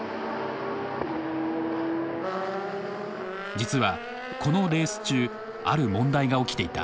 実はこのレース中ある問題が起きていた。